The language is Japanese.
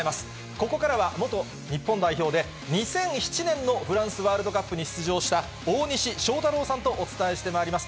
ここからは、元日本代表で、２００７年のフランスワールドカップに出場した、大西将太郎さんとお伝えしてまいります。